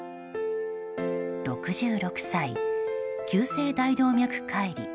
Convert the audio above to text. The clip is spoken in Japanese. ６６歳、急性大動脈解離。